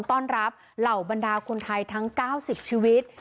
ต้อนรับเหล่าบรรดาคนไทยทั้ง๙๐ชีวิต